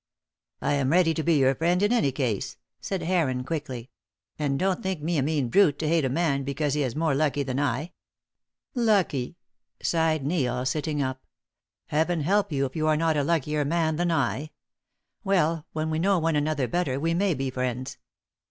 "I am ready to be your friend in any case," said Heron, quickly. "And don't think me a mean brute to hate a man because he is more lucky than I." "Lucky!" sighed Neil, sitting up. "Heaven help you if you are not a luckier man than I. Well, when we know one another better we may be friends.